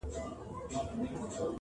• را وتلی په ژوند نه وو له ځنګلونو -